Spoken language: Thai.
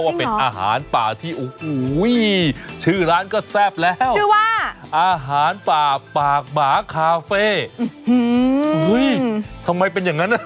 คุณได้อาหารปลาผักหมาคาเฟ่